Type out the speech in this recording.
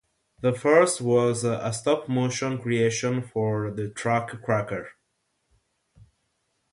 The first was a stop-motion creation for the track "Cracker".